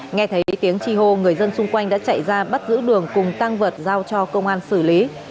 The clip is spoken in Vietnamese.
nghe thấy tiếng chi hô người dân xung quanh đã chạy ra bắt giữ đường cùng tăng vật giao cho công an xử lý